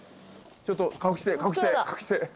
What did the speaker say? ちょっと隠して隠して。